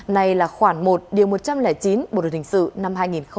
này là khoảng một một trăm linh chín bộ luật hình sự năm hai nghìn một mươi năm